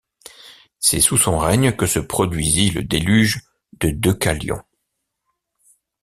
C'est sous son règne que se produisit le déluge de Deucalion.